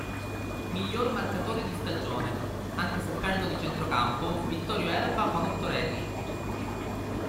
Miglior marcatore di stagione, anche se perno di centrocampo, Vittorio Erba con otto reti.